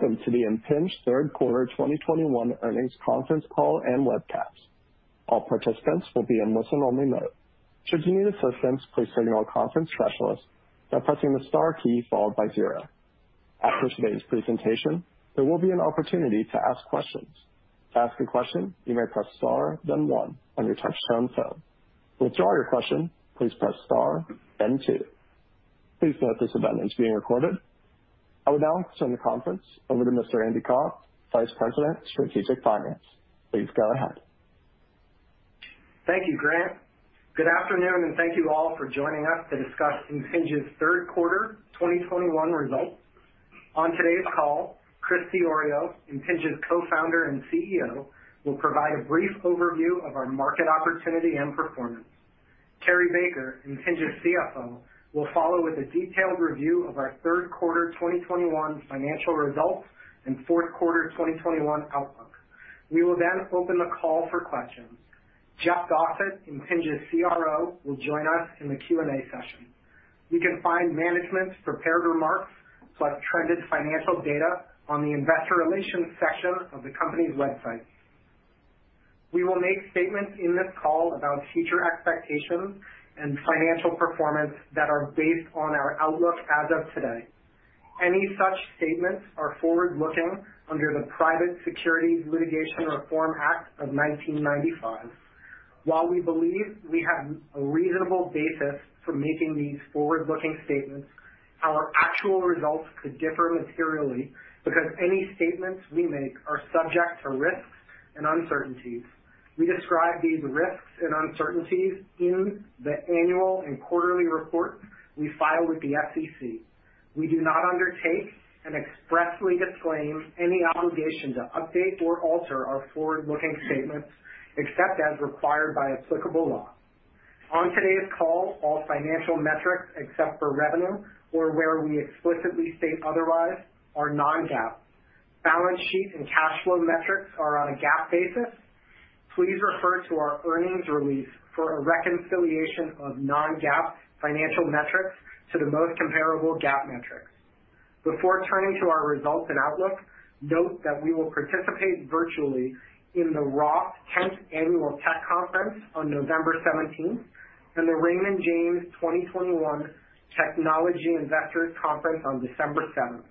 Welcome to the Impinj Third Quarter 2021 Earnings Conference Call and Webcast. All participants will be in listen-only mode. Should you need assistance, please signal a conference specialist by pressing the star key followed by zero. After today's presentation, there will be an opportunity to ask questions. To ask a question, you may press star then one on your touch-tone phone. To withdraw your question, please press star then two. Please note this event is being recorded. I would now turn the conference over to Mr. Andy Cobb, Vice President, Strategic Finance. Please go ahead. Thank you, Grant. Good afternoon, and thank you all for joining us to discuss Impinj's Third Quarter 2021 Results. On today's call, Chris Diorio, Impinj's Co-founder and CEO, will provide a brief overview of our market opportunity and performance. Cary Baker, Impinj's CFO, will follow with a detailed review of our third quarter 2021 financial results and fourth quarter 2021 outlook. We will then open the call for questions. Jeff Dossett, Impinj's CRO, will join us in the Q&A session. You can find management's prepared remarks plus trended financial data on the investor relations section of the company's website. We will make statements in this call about future expectations and financial performance that are based on our outlook as of today. Any such statements are forward-looking under the Private Securities Litigation Reform Act of 1995. While we believe we have a reasonable basis for making these forward-looking statements, our actual results could differ materially because any statements we make are subject to risks and uncertainties. We describe these risks and uncertainties in the annual and quarterly reports we file with the SEC. We do not undertake and expressly disclaim any obligation to update or alter our forward-looking statements, except as required by applicable law. On today's call, all financial metrics, except for revenue or where we explicitly state otherwise, are non-GAAP. Balance sheet and cash flow metrics are on a GAAP basis. Please refer to our earnings release for a reconciliation of non-GAAP financial metrics to the most comparable GAAP metrics. Before turning to our results and outlook, note that we will participate virtually in the Roth 10th Annual Technology Event on November 17, and the Raymond James 2021 Technology Investors Conference on December 7.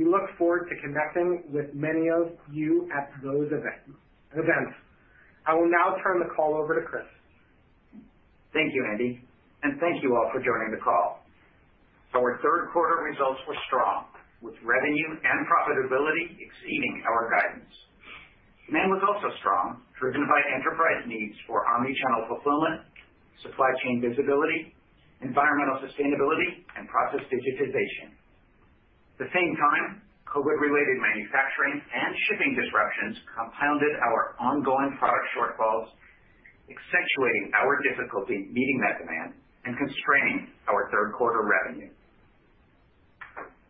We look forward to connecting with many of you at those events. I will now turn the call over to Chris. Thank you, Andy, and thank you all for joining the call. Our third quarter results were strong, with revenue and profitability exceeding our guidance. Demand was also strong, driven by enterprise needs for omni-channel fulfillment, supply chain visibility, environmental sustainability, and process digitization. At the same time, COVID-related manufacturing and shipping disruptions compounded our ongoing product shortfalls, accentuating our difficulty meeting that demand and constraining our third quarter revenue.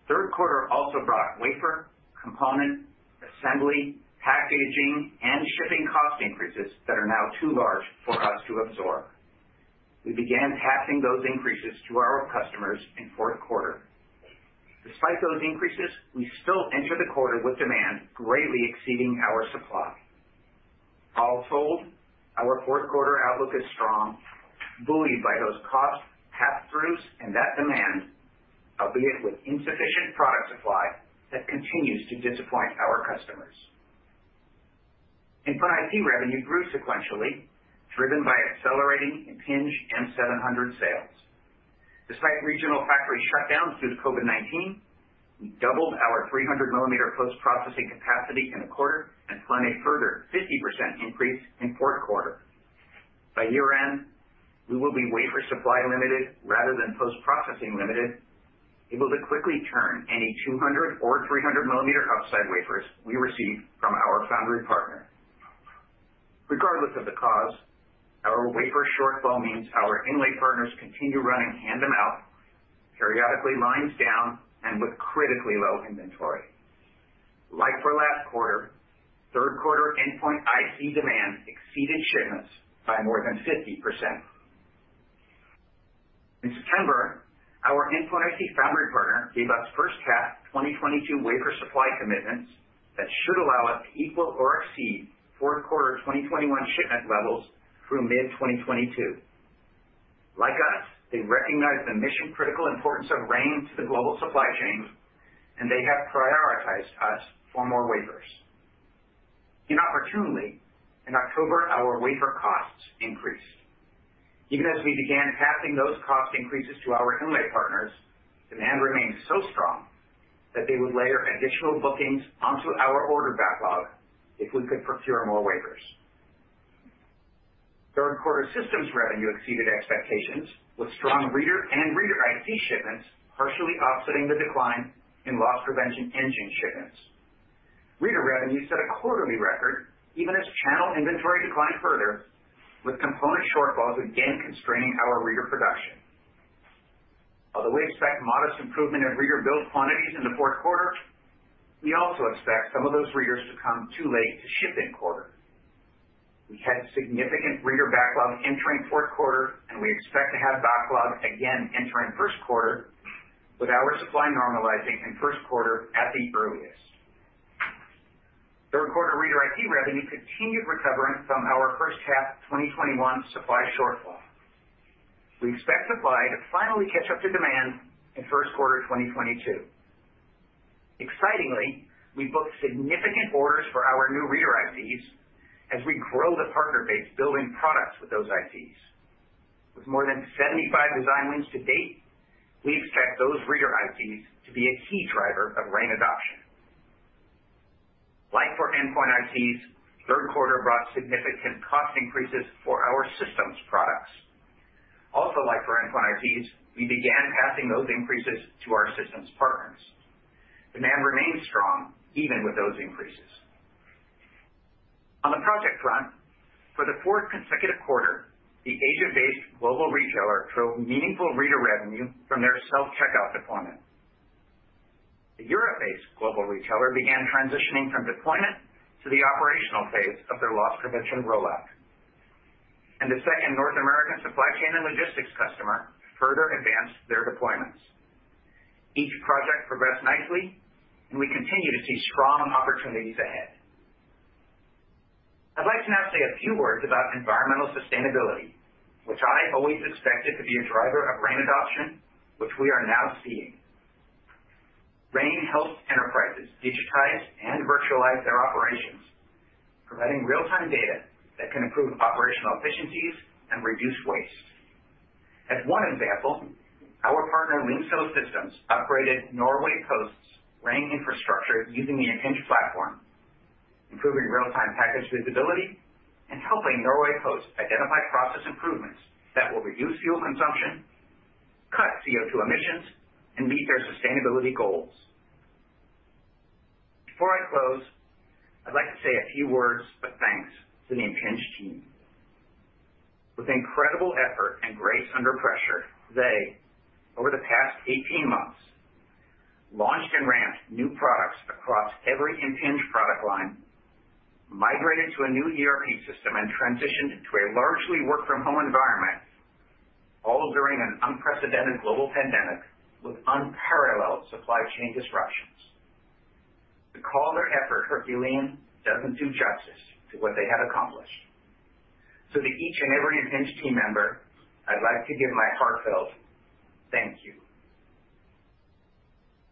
Third quarter also brought wafer, component, assembly, packaging, and shipping cost increases that are now too large for us to absorb. We began passing those increases to our customers in fourth quarter. Despite those increases, we still enter the quarter with demand greatly exceeding our supply. All told, our fourth quarter outlook is strong, buoyed by those cost pass-throughs and that demand, albeit with insufficient product supply that continues to disappoint our customers. Endpoint IC revenue grew sequentially, driven by accelerating Impinj M700 sales. Despite regional factory shutdowns due to COVID-19, we doubled our 300-millimeter post-processing capacity in the quarter and plan a further 50% increase in fourth quarter. By year-end, we will be wafer supply limited rather than post-processing limited, able to quickly turn any 200 millimeter or 300 millimeter outsourced wafers we receive from our foundry partner. Regardless of the cause, our wafer shortfall means our inlay partners continue running hand-to-mouth, periodically lines down, and with critically low inventory. Like for last quarter, third quarter endpoint IC demand exceeded shipments by more than 50%. In September, our endpoint IC foundry partner gave us first half 2022 wafer supply commitments that should allow us to equal or exceed fourth quarter 2021 shipment levels through mid-2022. Like us, they recognize the mission-critical importance of RAIN to the global supply chain, and they have prioritized us for more wafers. Inopportunely, in October, our wafer costs increased. Even as we began passing those cost increases to our inlay partners, demand remained so strong that they would layer additional bookings onto our order backlog if we could procure more wafers. Third quarter systems revenue exceeded expectations, with strong reader and reader IC shipments partially offsetting the decline in loss prevention engine shipments. Reader revenue set a quarterly record even as channel inventory declined further, with component shortfalls again constraining our reader production. Although we expect modest improvement in reader build quantities in the fourth quarter, we also expect some of those readers to come too late to ship in quarter. We had significant reader backlog entering fourth quarter, and we expect to have backlog again entering first quarter, with our supply normalizing in first quarter at the earliest. Third quarter reader IC revenue continued recovering from our first half 2021 supply shortfall. We expect supply to finally catch up to demand in first quarter 2022. Excitingly, we booked significant orders for our new reader ICs as we grow the partner base building products with those ICs. With more than 75 design wins to date, we expect those reader ICs to be a key driver of RAIN adoption. Like for endpoint ICs, third quarter brought significant cost increases for our systems products. Like for endpoint ICs, we began passing those increases to our systems partners. Demand remains strong even with those increases. On the project front, for the fourth consecutive quarter, the Asia-based global retailer drove meaningful reader revenue from their self-checkout deployment. The Europe-based global retailer began transitioning from deployment to the operational phase of their loss prevention rollout. The second North American supply chain and logistics customer further advanced their deployments. Each project progressed nicely, and we continue to see strong opportunities ahead. I'd like to now say a few words about environmental sustainability, which I've always expected to be a driver of RAIN adoption, which we are now seeing. RAIN helps enterprises digitize and virtualize their operations, providing real-time data that can improve operational efficiencies and reduce waste. As one example, our partner Lyngsoe Systems upgraded Norway Post's RAIN infrastructure using the ItemSense platform, improving real-time package visibility and helping Norway Post identify process improvements that will reduce fuel consumption, cut CO2 emissions, and meet their sustainability goals. Before I close, I'd like to say a few words of thanks to the Impinj team. With incredible effort and grace under pressure, they, over the past 18 months, launched and ramped new products across every Impinj product line, migrated to a new ERP system, and transitioned to a largely work-from-home environment, all during an unprecedented global pandemic with unparalleled supply chain disruptions. To call their effort Herculean doesn't do justice to what they have accomplished. To each and every Impinj team member, I'd like to give my heartfelt thank you.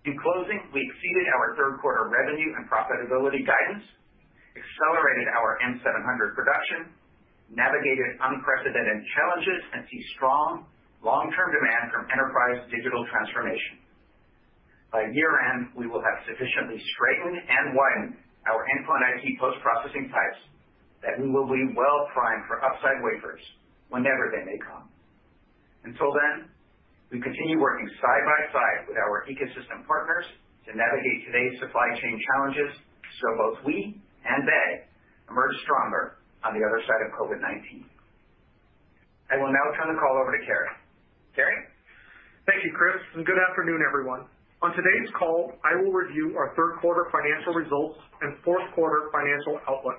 In closing, we exceeded our third quarter revenue and profitability guidance, accelerated our M700 production, navigated unprecedented challenges, and see strong long-term demand from enterprise digital transformation. By year-end, we will have sufficiently straightened and widened our endpoint IC post-processing pipes that we will be well primed for upside wafers whenever they may come. Until then, we continue working side by side with our ecosystem partners to navigate today's supply chain challenges, so both we and they emerge stronger on the other side of COVID-19. I will now turn the call over to Cary. Cary? Thank you, Chris, and good afternoon, everyone. On today's call, I will review our third quarter financial results and fourth quarter financial outlook.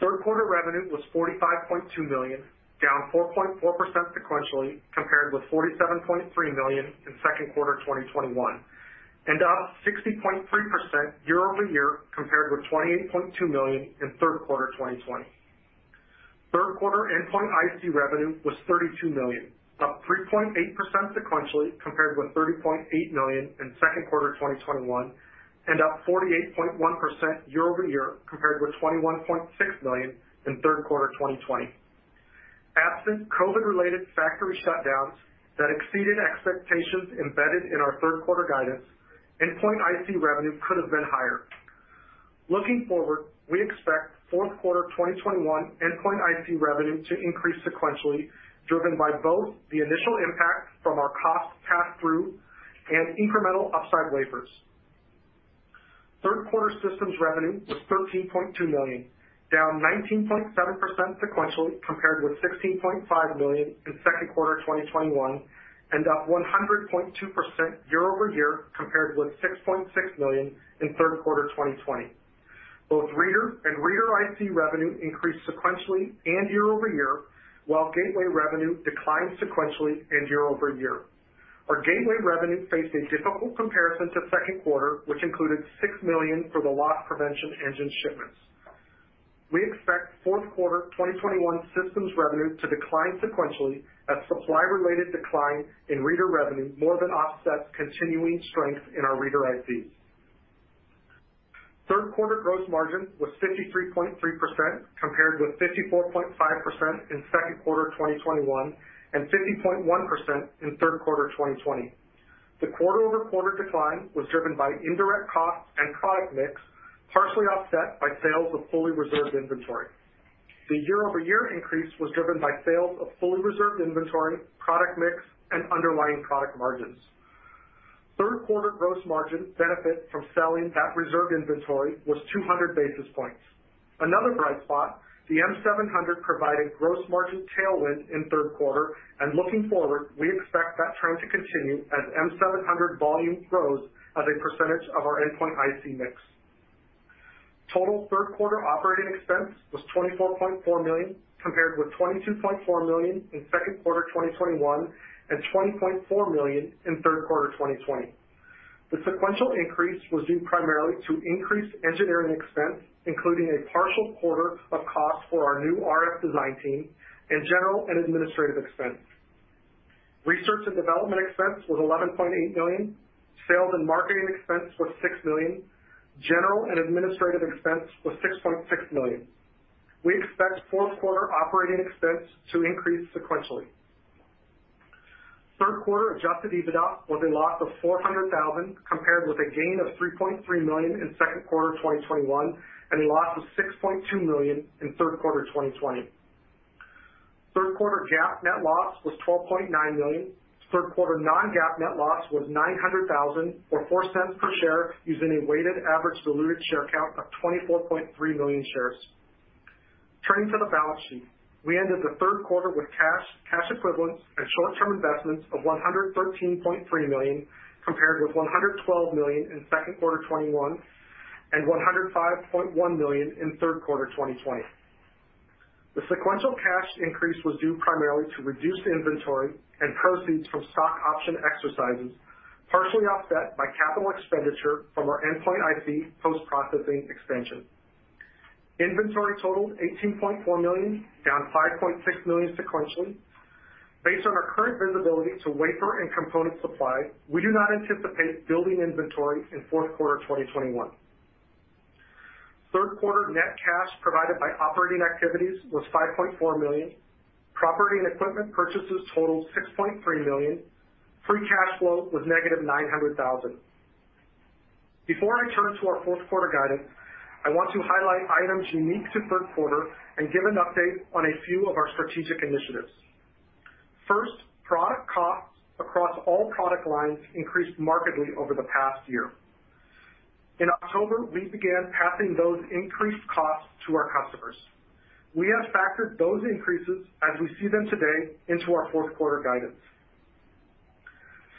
Third quarter revenue was $45.2 million, down 4.4% sequentially compared with $47.3 million in second quarter 2021, and up 60.3% year-over-year compared with $28.2 million in third quarter 2020. Third quarter endpoint IC revenue was $32 million, up 3.8% sequentially compared with $30.8 million in second quarter 2021, and up 48.1% year-over-year compared with $21.6 million in third quarter 2020. Absent COVID-related factory shutdowns that exceeded expectations embedded in our third quarter guidance, endpoint IC revenue could have been higher. Looking forward, we expect fourth quarter 2021 endpoint IC revenue to increase sequentially, driven by both the initial impact from our cost pass-through and incremental upside wafers. Third quarter systems revenue was $13.2 million, down 19.7% sequentially compared with $16.5 million in second quarter 2021, and up 100.2% year-over-year compared with $6.6 million in third quarter 2020. Both reader and reader IC revenue increased sequentially and year-over-year, while gateway revenue declined sequentially and year-over-year. Our gateway revenue faced a difficult comparison to second quarter, which included $6 million for the loss prevention engine shipments. We expect fourth quarter 2021 systems revenue to decline sequentially as supply-related decline in reader revenue more than offsets continuing strength in our reader ICs. Third quarter gross margin was 53.3%, compared with 54.5% in second quarter 2021 and 50.1% in third quarter 2020. The quarter-over-quarter decline was driven by indirect costs and product mix, partially offset by sales of fully reserved inventory. The year-over-year increase was driven by sales of fully reserved inventory, product mix, and underlying product margins. Third quarter gross margin benefited from selling that reserved inventory was 200 basis points. Another bright spot, the M700 provided gross margin tailwind in third quarter, and looking forward, we expect that trend to continue as M700 volume grows as a percentage of our endpoint IC mix. Total third quarter operating expense was $24.4 million, compared with $22.4 million in second quarter 2021 and $20.4 million in third quarter 2020. The sequential increase was due primarily to increased engineering expense, including a partial quarter of cost for our new RF design team and general and administrative expense. Research and development expense was $11.8 million. Sales and marketing expense was $6 million. General and administrative expense was $6.6 million. We expect fourth quarter operating expense to increase sequentially. Third quarter adjusted EBITDA was a loss of $400,000, compared with a gain of $3.3 million in second quarter 2021 and a loss of $6.2 million in third quarter 2020. Third quarter GAAP net loss was $12.9 million. Third quarter non-GAAP net loss was $900,000 or $0.04 per share using a weighted average diluted share count of 24.3 million shares. Turning to the balance sheet. We ended the third quarter with cash equivalents and short-term investments of $113.3 million, compared with $112 million in second quarter 2021 and $105.1 million in third quarter 2020. The sequential cash increase was due primarily to reduced inventory and proceeds from stock option exercises, partially offset by capital expenditure from our endpoint IC post-processing expansion. Inventory totaled $18.4 million, down $5.6 million sequentially. Based on our current visibility to wafer and component supply, we do not anticipate building inventory in fourth quarter 2021. Third quarter net cash provided by operating activities was $5.4 million. Property and equipment purchases totaled $6.3 million. Free cash flow was -$900,000. Before I turn to our fourth quarter guidance, I want to highlight items unique to third quarter and give an update on a few of our strategic initiatives. First, product costs across all product lines increased markedly over the past year. In October, we began passing those increased costs to our customers. We have factored those increases as we see them today into our fourth quarter guidance.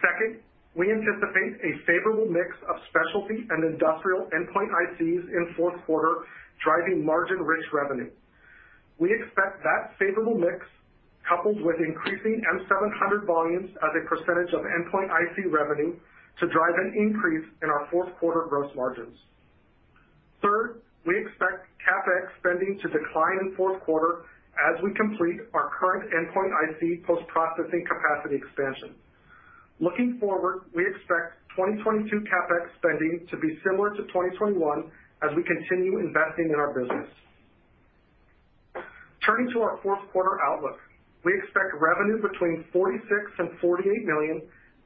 Second, we anticipate a favorable mix of specialty and industrial endpoint ICs in fourth quarter, driving margin rich revenue. We expect that favorable mix, coupled with increasing M700 volumes as a percentage of endpoint IC revenue to drive an increase in our fourth quarter gross margins. Third, we expect CapEx spending to decline in fourth quarter as we complete our current endpoint IC post-processing capacity expansion. Looking forward, we expect 2022 CapEx spending to be similar to 2021 as we continue investing in our business. Turning to our fourth quarter outlook. We expect revenue between $46 million and $48 million,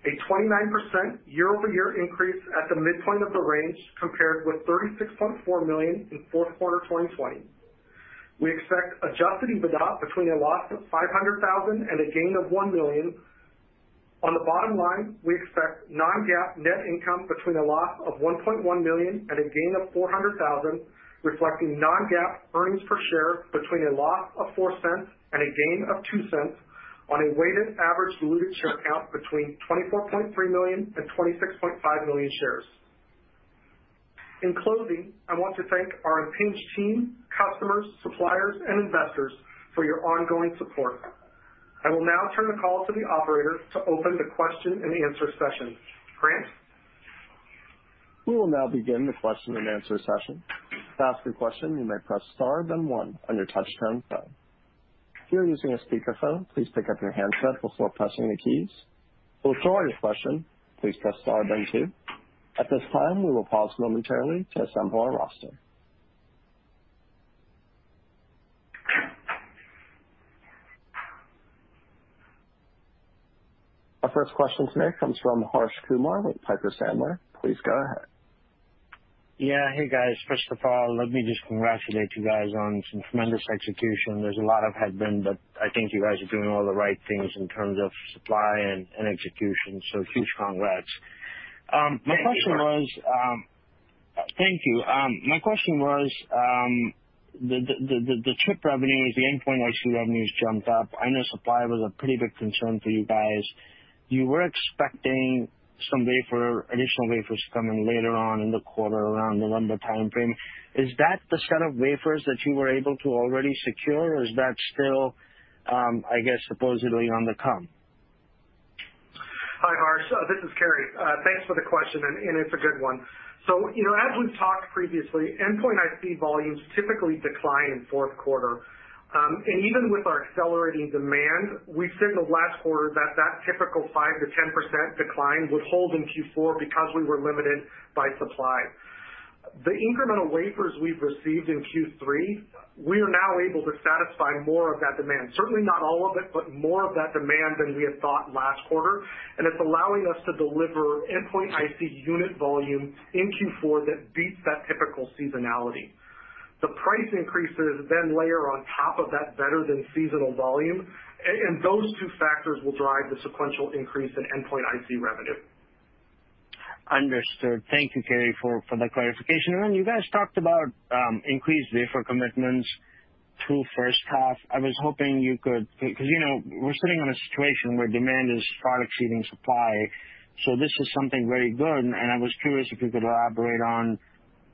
a 29% year-over-year increase at the midpoint of the range compared with $36.4 million in fourth quarter 2020. We expect adjusted EBITDA between a loss of $500,000 and a gain of $1 million. On the bottom line, we expect non-GAAP net income between a loss of $1.1 million and a gain of $400,000, reflecting non-GAAP earnings per share between a loss of $0.04 and a gain of $0.02 on a weighted average diluted share count between 24.3 million and 26.5 million shares. In closing, I want to thank our Impinj team, customers, suppliers, and investors for your ongoing support. I will now turn the call to the operator to open the question-and-answer session. Grant? We will now begin the question-and-answer session. To ask your question, you may press star then one on your touchtone phone. If you're using a speakerphone, please pick up your handset before pressing the keys. To withdraw your question, please press star then two. At this time, we will pause momentarily to assemble our roster. Our first question today comes from Harsh Kumar with Piper Sandler. Please go ahead. Yeah. Hey, guys. First of all, let me just congratulate you guys on some tremendous execution. There's a lot of headwind, but I think you guys are doing all the right things in terms of supply and execution. So huge congrats. My question was, Thank you. Thank you. My question was, the chip revenues, the endpoint IC revenues jumped up. I know supply was a pretty big concern for you guys. You were expecting additional wafers coming later on in the quarter around November timeframe. Is that the set of wafers that you were able to already secure, or is that still, I guess supposedly on the come? Hi, Harsh. This is Cary. Thanks for the question, and it's a good one. You know, as we've talked previously, endpoint IC volumes typically decline in fourth quarter. Even with our accelerating demand, we said the last quarter that typical 5%-10% decline would hold in Q4 because we were limited by supply. The incremental wafers we've received in Q3, we are now able to satisfy more of that demand. Certainly not all of it, but more of that demand than we had thought last quarter, and it's allowing us to deliver endpoint IC unit volume in Q4 that beats that typical seasonality. The price increases then layer on top of that better than seasonal volume, and those two factors will drive the sequential increase in endpoint IC revenue. Understood. Thank you, Cary, for the clarification. Then you guys talked about increased wafer commitments. Through the first half, I was hoping you could because, you know, we're sitting on a situation where demand is far exceeding supply, so this is something very good. I was curious if you could elaborate on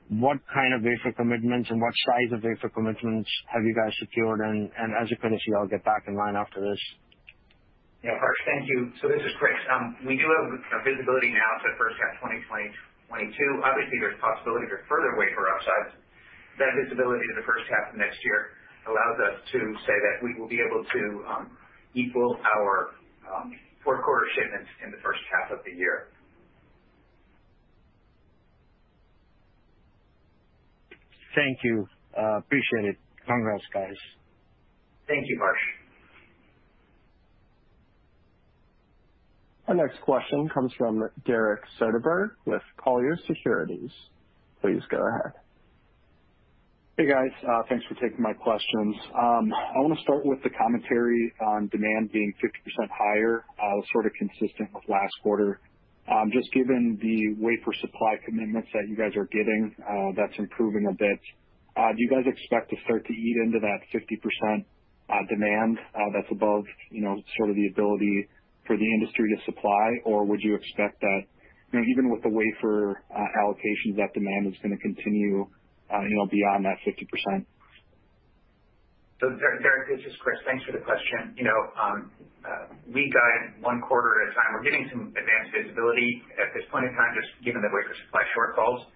what kind of wafer commitments and what size of wafer commitments have you guys secured. As a courtesy, I'll get back in line after this. Yeah. Harsh, thank you. This is Chris. We do have visibility now to first half 2022. Obviously, there's possibility for further wafer upsides. That visibility to the first half of next year allows us to say that we will be able to equal our fourth quarter shipments in the first half of the year. Thank you. Appreciate it. Congrats, guys. Thank you, Harsh Kumar. Our next question comes from Derek Soderberg with Colliers Securities. Please go ahead. Hey, guys. Thanks for taking my questions. I wanna start with the commentary on demand being 50% higher, sort of consistent with last quarter. Just given the wafer supply commitments that you guys are getting, that's improving a bit, do you guys expect to start to eat into that 50% demand that's above, you know, sort of the ability for the industry to supply? Or would you expect that, you know, even with the wafer allocations, that demand is gonna continue, you know, beyond that 50%? Derek, this is Chris. Thanks for the question. You know, we guide one quarter at a time. We're getting some advanced visibility at this point in time, just given the wafer supply shortfalls.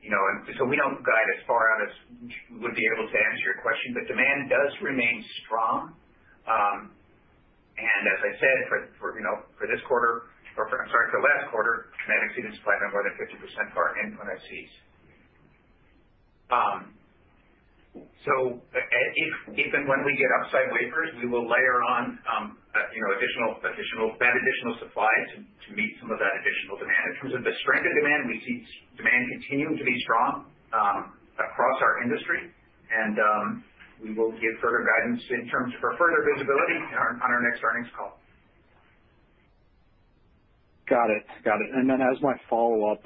You know, we don't guide as far out as would be able to answer your question, but demand does remain strong. And as I said, you know, for this quarter or for, I'm sorry, for last quarter, demand exceeded supply by more than 50% for our end customers. If and when we get upside wafers, we will layer on, you know, that additional supply to meet some of that additional demand. In terms of the strength of demand, we see strong demand continuing to be strong across our industry, and we will give further guidance in terms of further visibility in our next earnings call. Got it. As my follow-up,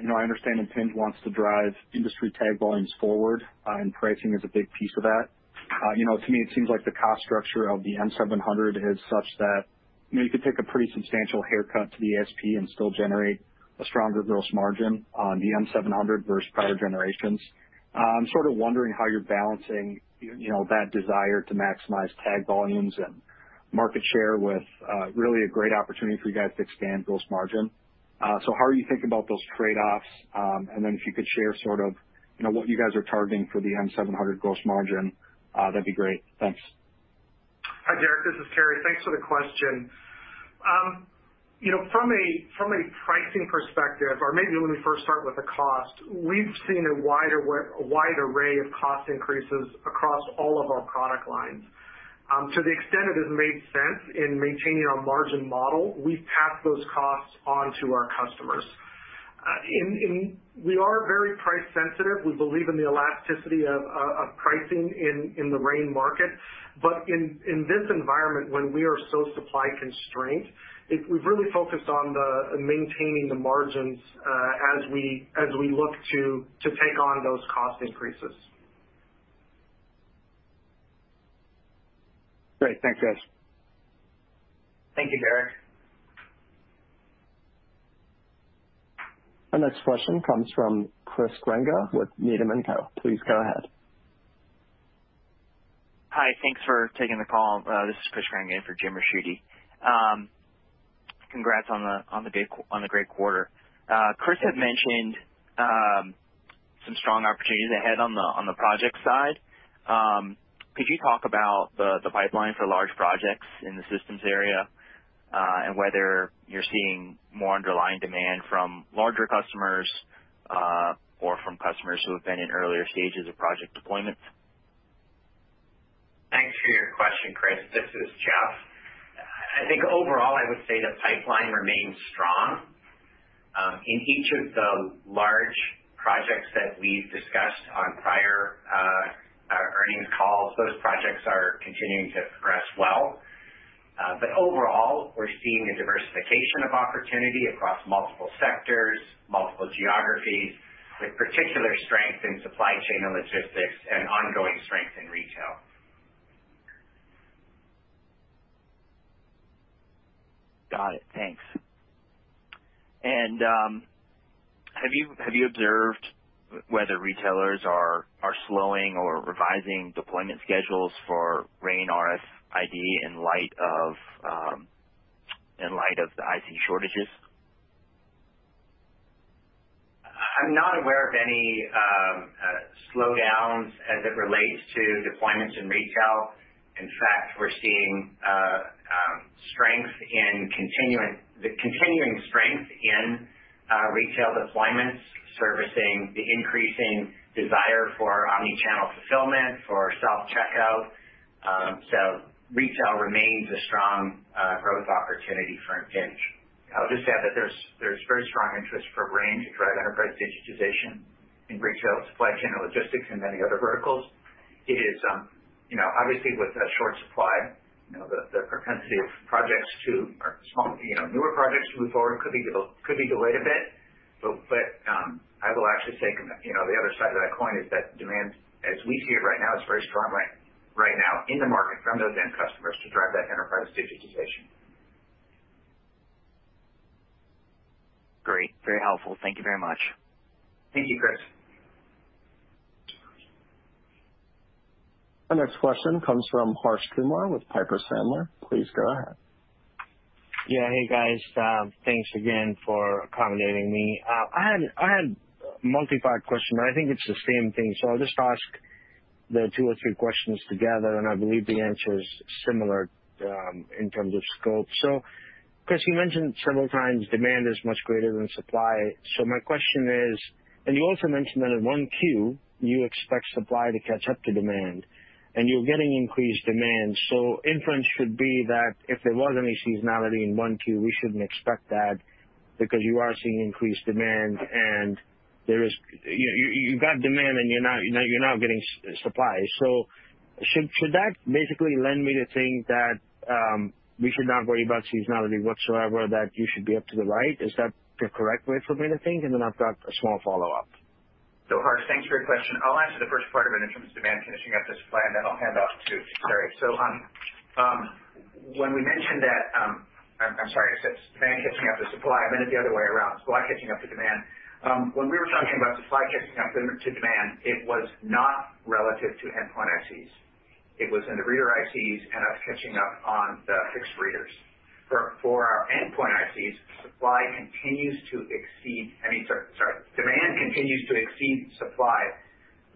you know, I understand Impinj wants to drive industry tag volumes forward, and pricing is a big piece of that. You know, to me it seems like the cost structure of the M700 is such that, you know, you could take a pretty substantial haircut to the ASP and still generate a stronger gross margin on the M700 versus prior generations. I'm sort of wondering how you're balancing, you know, that desire to maximize tag volumes and market share with, really a great opportunity for you guys to expand gross margin. So how are you thinking about those trade-offs? And then if you could share sort of, you know, what you guys are targeting for the M700 gross margin, that'd be great. Thanks. Hi, Derek. This is Cary. Thanks for the question. You know, from a pricing perspective, or maybe let me first start with the cost, we've seen a wide array of cost increases across all of our product lines. To the extent it has made sense in maintaining our margin model, we've passed those costs on to our customers. We are very price sensitive. We believe in the elasticity of pricing in the RAIN market. In this environment, when we are so supply constrained, we've really focused on maintaining the margins as we look to take on those cost increases. Great. Thanks, guys. Thank you, Derek. Our next question comes from Chris Grenga with Needham & Company. Please go ahead. Hi. Thanks for taking the call. This is Chris Grenga in for Jim Ricchiuti. Congrats on the great quarter. Chris had mentioned some strong opportunities ahead on the project side. Could you talk about the pipeline for large projects in the systems area, and whether you're seeing more underlying demand from larger customers, or from customers who have been in earlier stages of project deployment? Thanks for your question, Chris. This is Jeff. I think overall I would say the pipeline remains strong. In each of the large projects that we've discussed on prior earnings calls, those projects are continuing to progress well. Overall, we're seeing a diversification of opportunity across multiple sectors, multiple geographies, with particular strength in supply chain and logistics and ongoing strength in retail. Got it. Thanks. Have you observed whether retailers are slowing or revising deployment schedules for RAIN RFID in light of the IT shortages? I'm not aware of any slowdowns as it relates to deployments in retail. In fact, we're seeing strength in the continuing strength in retail deployments servicing the increasing desire for omni-channel fulfillment, for self-checkout. Retail remains a strong growth opportunity for Impinj. I'll just add that there's very strong interest for RAIN to drive enterprise digitization in retail, supply chain, and logistics, and many other verticals. It is, you know, obviously with a short supply, you know, the propensity of projects or small, you know, newer projects to move forward could be delayed a bit. I will actually say, you know, the other side of that coin is that demand, as we see it right now, is very strong right now in the market from those end customers to drive that enterprise digitization. Great. Very helpful. Thank you very much. Thank you, Chris. Our next question comes from Harsh Kumar with Piper Sandler. Please go ahead. Yeah. Hey, guys. Thanks again for accommodating me. I had a multipart question, but I think it's the same thing, so I'll just ask the two or three questions together, and I believe the answer is similar, in terms of scope. Chris, you mentioned several times demand is much greater than supply. My question is you also mentioned that in 1Q, you expect supply to catch up to demand, and you're getting increased demand. Inference should be that if there was any seasonality in 1Q, we shouldn't expect that because you are seeing increased demand. You got demand and you're not getting supply. Should that basically lead me to think that we should not worry about seasonality whatsoever, that you should be up and to the right? Is that the correct way for me to think? I've got a small follow-up. Harsh, thanks for your question. I'll answer the first part of it in terms of demand catching up to supply, and then I'll hand off to Cary. When we mentioned that, I'm sorry. I said demand catching up to supply. I meant it the other way around, supply catching up to demand. When we were talking about supply catching up to demand, it was not relative to endpoint ICs. It was in the reader ICs and us catching up on the fixed readers. For our endpoint ICs, demand continues to exceed supply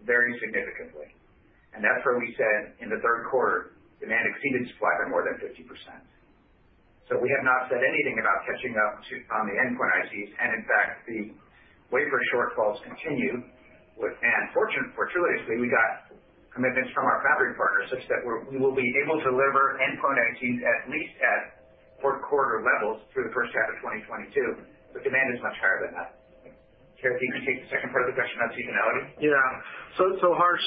very significantly, and that's where we said in the third quarter, demand exceeded supply by more than 50%. We have not said anything about catching up to on the endpoint ICs, and in fact, the wafer shortfalls continue with Fortuitously, we got commitments from our foundry partners such that we will be able to deliver endpoint ICs at least at fourth quarter levels through the first half of 2022, but demand is much higher than that. Cary, can you take the second part of the question on seasonality? Yeah. Harsh,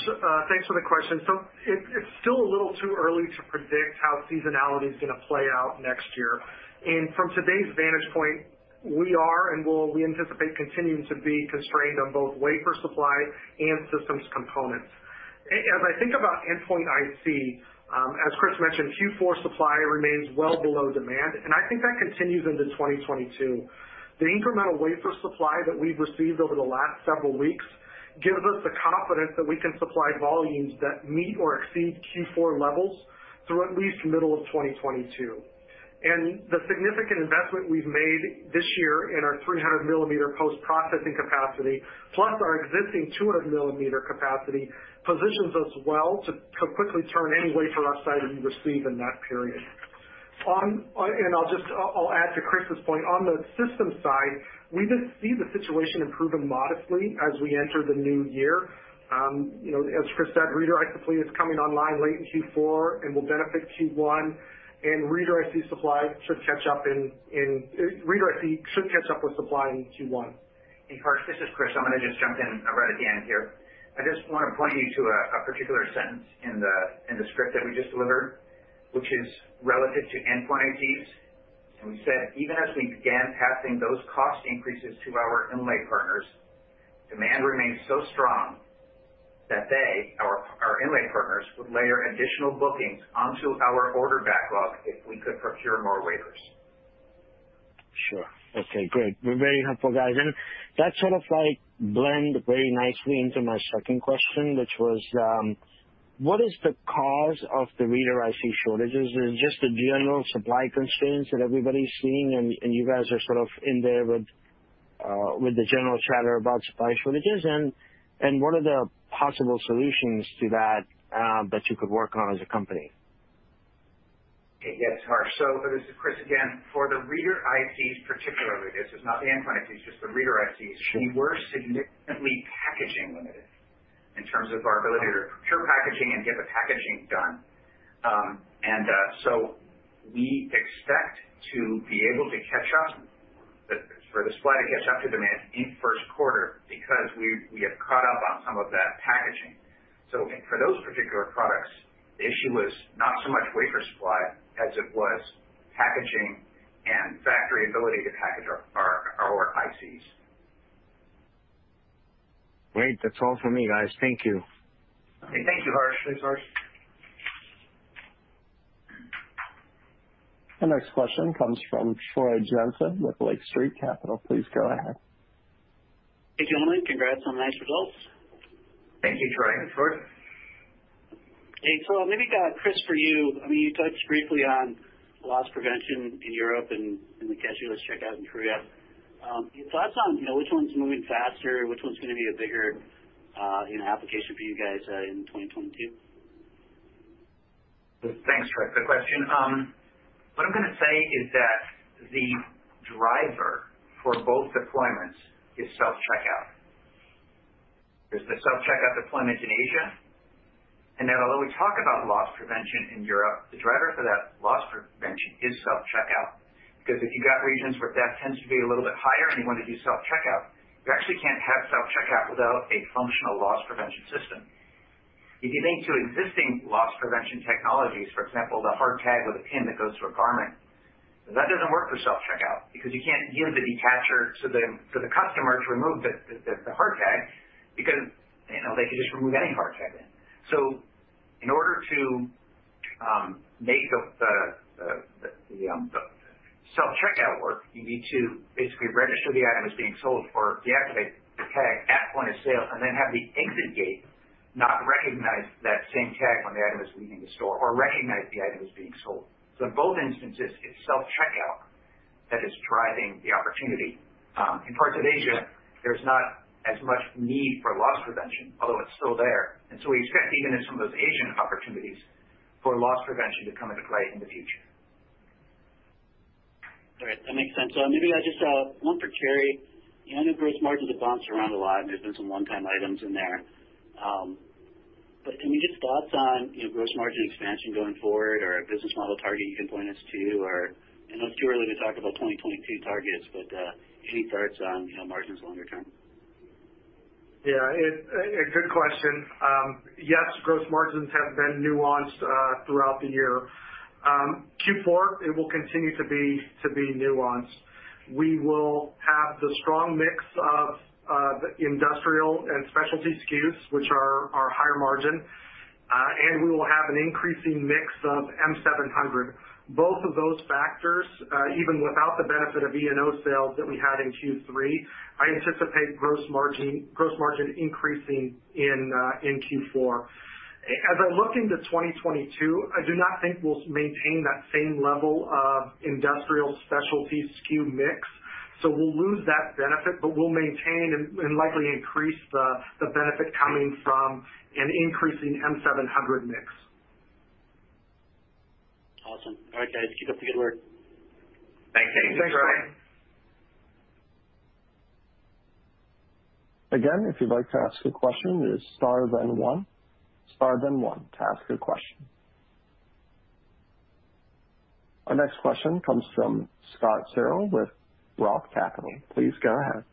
thanks for the question. It's still a little too early to predict how seasonality is gonna play out next year. From today's vantage point, we anticipate continuing to be constrained on both wafer supply and systems components. As I think about endpoint IC, as Chris mentioned, Q4 supply remains well below demand, and I think that continues into 2022. The incremental wafer supply that we've received over the last several weeks gives us the confidence that we can supply volumes that meet or exceed Q4 levels through at least middle of 2022. The significant investment we've made this year in our 300-millimeter post-processing capacity, plus our existing 200-millimeter capacity, positions us well to quickly turn any wafer outside that we receive in that period. I'll add to Chris's point. On the systems side, we did see the situation improving modestly as we enter the new year. You know, as Chris said, reader IC fleet is coming online late in Q4 and will benefit Q1, and reader IC should catch up with supply in Q1. Hey, Harsh, this is Chris. I'm gonna just jump in right at the end here. I just wanna point you to a particular sentence in the script that we just delivered, which is relative to endpoint ICs. We said, "Even as we began passing those cost increases to our inlay partners, demand remains so strong that they, our inlay partners, would layer additional bookings onto our order backlog if we could procure more wafers. Sure. Okay, great. Very helpful, guys. That sort of like blend very nicely into my second question, which was, what is the cause of the reader IC shortages? Is it just the general supply constraints that everybody's seeing and you guys are sort of in there with the general chatter about supply shortages? What are the possible solutions to that you could work on as a company? Yeah, Harsh. This is Chris again. For the reader ICs particularly, this is not the endpoint ICs, just the reader ICs. Sure. We were significantly packaging limited in terms of our ability to procure packaging and get the packaging done. We expect to be able to catch up for the supply to catch up to demand in first quarter because we have caught up on some of that packaging. For those particular products, the issue was not so much wafer supply as it was packaging and factory ability to package our ICs. Great. That's all for me, guys. Thank you. Thank you, Harsh. Thanks, Harsh. Our next question comes from Troy Jensen with Lake Street Capital. Please go ahead. Hey, gentlemen. Congrats on the nice results. Thank you, Troy. Thanks, Troy. Hey, maybe Chris, for you. I mean, you touched briefly on loss prevention in Europe and the cashless checkout in Korea. Your thoughts on, you know, which one's moving faster, which one's gonna be a bigger, you know, application for you guys in 2022? Thanks, Troy, for the question. What I'm gonna say is that the driver for both deployments is self-checkout. There's the self-checkout deployment in Asia, and then although we talk about loss prevention in Europe, the driver for that loss prevention is self-checkout. 'Cause if you've got regions where theft tends to be a little bit higher and you wanna do self-checkout, you actually can't have self-checkout without a functional loss prevention system. If you link to existing loss prevention technologies, for example, the hard tag with a pin that goes through a garment, that doesn't work for self-checkout because you can't give the detacher to the customer to remove the hard tag because, you know, they could just remove any hard tag then. In order to make the self-checkout work, you need to basically register the item as being sold or deactivate the tag at point of sale and then have the exit gate not recognize that same tag when the item is leaving the store or recognize the item is being sold. In both instances, it's self-checkout that is driving the opportunity. In parts of Asia, there's not as much need for loss prevention, although it's still there. We expect even in some of those Asian opportunities for loss prevention to come into play in the future. All right, that makes sense. Maybe just one for Cary. I know gross margins have bounced around a lot, and there's been some one-time items in there. But can you give us thoughts on, you know, gross margin expansion going forward or a business model target you can point us to or, you know, it's too early to talk about 2022 targets, but any thoughts on, you know, margins longer term? Yeah, it's a good question. Yes, gross margins have been nuanced throughout the year. Q4, it will continue to be nuanced. We will have the strong mix of the industrial and specialty SKUs, which are higher margin, and we will have an increasing mix of M700. Both of those factors, even without the benefit of E&O sales that we had in Q3, I anticipate gross margin increasing in Q4. As I look into 2022, I do not think we'll maintain that same level of industrial specialty SKU mix. We'll lose that benefit, but we'll maintain and likely increase the benefit coming from an increasing M700 mix. Awesome. All right, guys, keep up the good work. Thanks. Thanks. Thanks, Troy. Again, if you'd like to ask a question, it is star then one. Star then one to ask a question. Our next question comes from Scott Searle with Roth Capital. Please go ahead.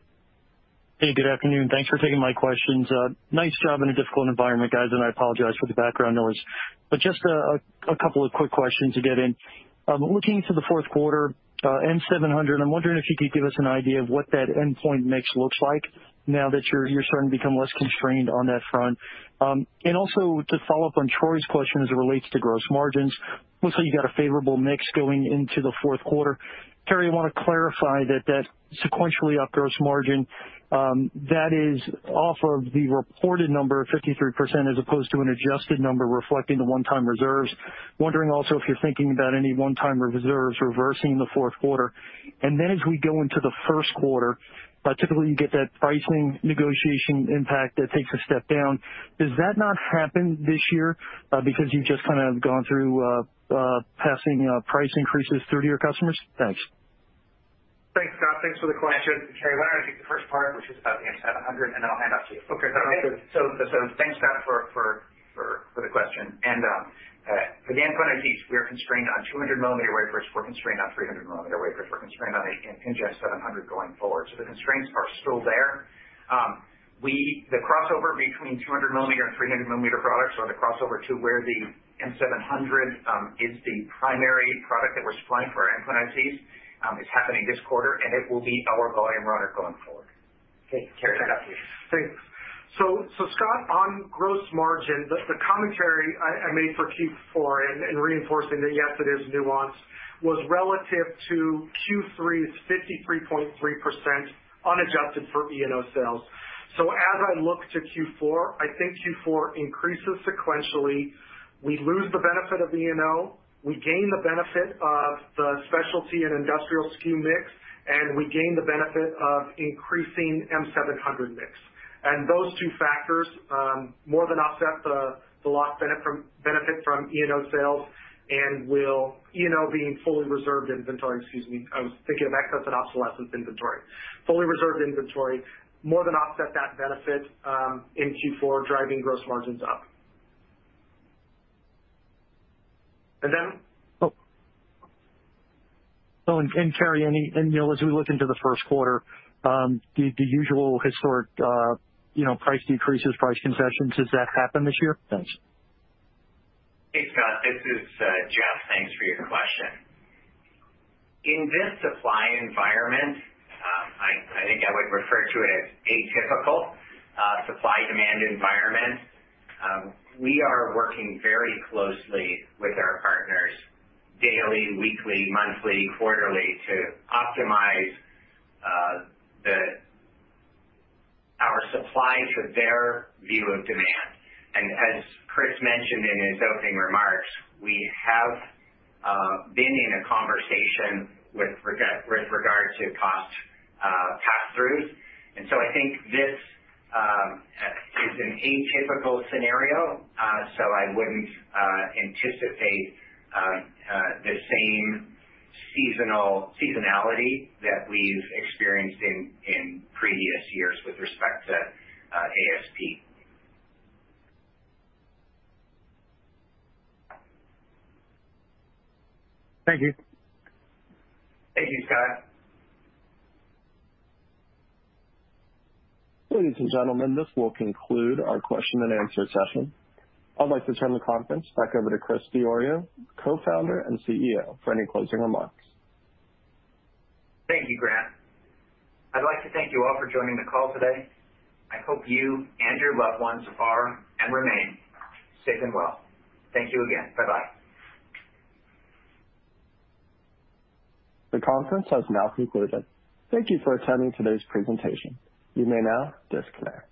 Hey, good afternoon. Thanks for taking my questions. Nice job in a difficult environment, guys, and I apologize for the background noise. Just a couple of quick questions to get in. Looking to the fourth quarter, M700, I'm wondering if you could give us an idea of what that endpoint mix looks like now that you're starting to become less constrained on that front. And also to follow up on Troy's question as it relates to gross margins, looks like you got a favorable mix going into the fourth quarter. Cary, I wanna clarify that sequentially up gross margin, that is off of the reported number of 53% as opposed to an adjusted number reflecting the one-time reserves. Wondering also if you're thinking about any one-time reserves reversing in the fourth quarter? As we go into the first quarter, typically you get that pricing negotiation impact that takes a step down. Does that not happen this year, because you've just kind of gone through passing price increases through to your customers? Thanks. Thanks, Scott. Thanks for the question. Cary, why don't I take the first part, which is about the M700, and then I'll hand off to you. Okay. Is that okay? Thanks, Scott, for the question. Again, point I made, we are constrained on 200 millimeter wafers. We're constrained on 300 millimeter wafers. We're constrained on M700 going forward. The constraints are still there. The crossover between 200 millimeter and 300 millimeter products or the crossover to where the M700 is the primary product that we're supplying for our end customers is happening this quarter, and it will be our volume runner going forward. Okay, Cary, now you. Thanks. Scott, on gross margin, the commentary I made for Q4 and reinforcing that, yes, it is nuanced, was relative to Q3's 53.3% unadjusted for E&O sales. As I look to Q4, I think Q4 increases sequentially. We lose the benefit of E&O. We gain the benefit of the specialty and industrial SKU mix, and we gain the benefit of increasing M700 mix. Those two factors more than offset the lost benefit from E&O sales. E&O being fully reserved inventory. Excuse me. I was thinking of excess and obsolescence inventory. Fully reserved inventory more than offset that benefit in Q4, driving gross margins up. Then Cary, you know, as we look into the first quarter, the usual historical price decreases, price concessions, does that happen this year? Thanks. Hey, Scott. This is Jeff. Thanks for your question. In this supply environment, I think I would refer to it as atypical supply-demand environment. We are working very closely with our partners daily, weekly, monthly, quarterly to optimize our supply for their view of demand. As Chris mentioned in his opening remarks, we have been in a conversation with regard to cost pass-throughs. I think this is an atypical scenario, so I wouldn't anticipate the same seasonality that we've experienced in previous years with respect to ASP. Thank you. Thank you, Scott. Ladies and gentlemen, this will conclude our question and answer session. I'd like to turn the conference back over to Chris Diorio, Co-founder and CEO, for any closing remarks. Thank you, Grant. I'd like to thank you all for joining the call today. I hope you and your loved ones are, and remain, safe and well. Thank you again. Bye-bye. The conference has now concluded. Thank you for attending today's presentation. You may now disconnect.